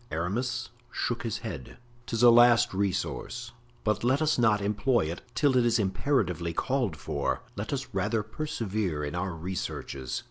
'" Aramis shook his head. "'Tis a last resource, but let us not employ it till it is imperatively called for; let us rather persevere in our researches."